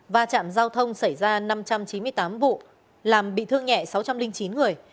và trạm giao thông xảy ra năm trăm chín mươi tám vụ làm bị thương nhẹ sáu trăm linh chín người